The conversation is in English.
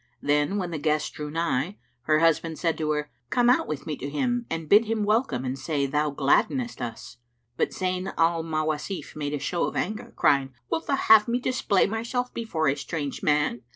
Then, when the guest drew nigh, her husband said to her, "Come out with me to him and bid him welcome and say, 'Thou gladdenest us[FN#346]!'" But Zayn al Mawasif made a show of anger, crying, "Wilt thou have me display myself before a strange man?